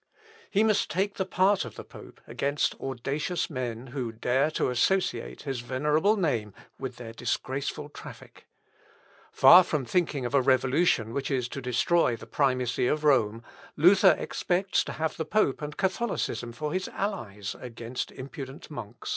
He must take the part of the pope against audacious men, who dare to associate his venerable name with their disgraceful traffic. Far from thinking of a revolution which is to destroy the primacy of Rome, Luther expects to have the pope and Catholicism for his allies against impudent monks.